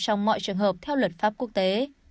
trong mọi trường hợp theo luật pháp quốc tế